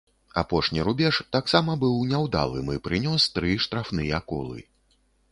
Апошні рубеж таксама быў няўдалым і прынёс тры штрафныя колы.